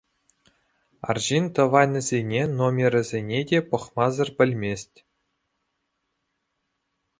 Арҫын тӑванӗсене номерӗсене те пӑхмасӑр пӗлмест.